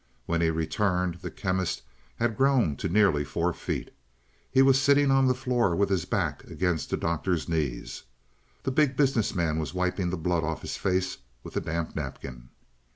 When he returned, the Chemist had grown to nearly four feet. He was sitting on the floor with his back against the Doctor's knees. The Big Business Man was wiping the blood off his face with a damp napkin.